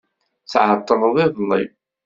Tεeṭṭleḍ iḍelli.